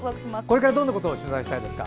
これからどんなこと取材したいですか？